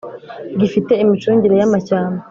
gifite imicungire y amashyamba